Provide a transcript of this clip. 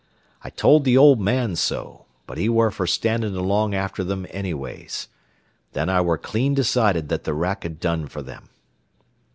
I told the old man so, but he ware fer standin' along after them anyways. Then I ware clean decided that the wrack had done fer them."